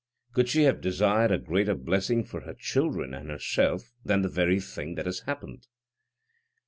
Could she have desired a greater blessing for her children and herself than the very thing that has happened?"